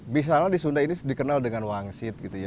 misalnya di sunda ini dikenal dengan wangsit gitu ya